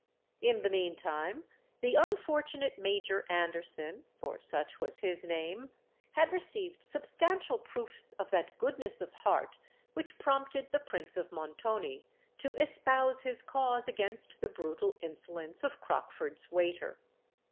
In the meantime the unfortunate Major Anderson—for such was his name—had received substantial proofs of that goodness of heart which prompted the Prince of Montoni to espouse his cause against the brutal insolence of Crockford's waiter.